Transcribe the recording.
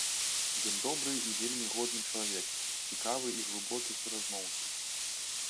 Ён добры і вельмі годны чалавек, цікавы і глыбокі суразмоўца.